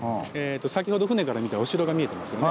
先ほど船から見たお城が見えてますよね。